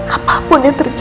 apapun yang terjadi